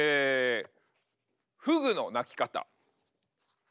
フグの鳴き方。